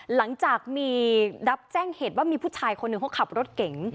หลังจากมีรับแจ้งเหตุว่ามีผู้ชายคนหนึ่งเขาขับรถเก๋ง